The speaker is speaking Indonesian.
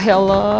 doh ya allah